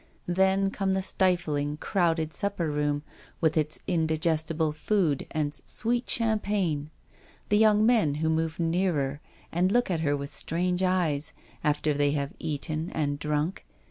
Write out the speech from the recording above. Then comes the stifling crowded sup per room, with its indigestible food and sweet champagne ; the young men who move nearer and look at her with strange eyes, after they have eaten and drunk.